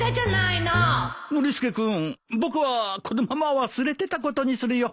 ノリスケ君僕はこのまま忘れてたことにするよ。